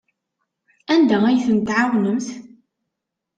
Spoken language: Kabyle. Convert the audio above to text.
Anda ay tent-tɛawnemt?